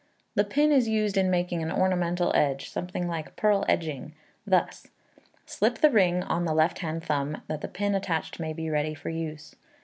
The pin is used in making an ornamental edge, something like purl edging, thus: Slip the ring on the left hand thumb, that the pin attached may be ready for use.